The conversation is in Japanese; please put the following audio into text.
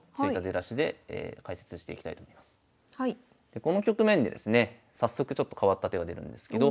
この局面でですね早速ちょっと変わった手が出るんですけど。